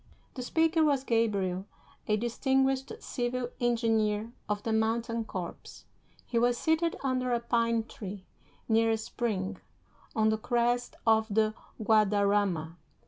The speaker was Gabriel, a distinguished civil engineer of the mountain corps. He was seated under a pine tree, near a spring, on the crest of the Guadarrama.